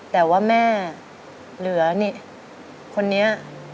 แต่ว่าแม่เหลือนี่คนนี้